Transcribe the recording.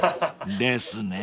［ですねぇ